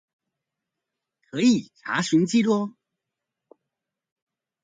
可以查詢記錄